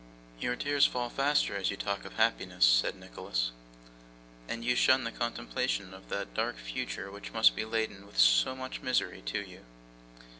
'Your tears fall faster as you talk of happiness,' said Nicholas, 'and you shun the contemplation of that dark future which must be laden with so much misery to you.